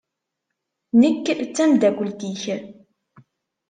Nekk d tameddakelt-ik.